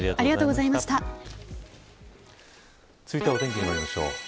続いてはお天気にまいりましょう。